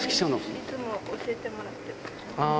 いつも教えてもらってます。